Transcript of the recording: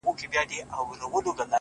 هغه خو هغه کوي! هغه خو به دی نه کوي!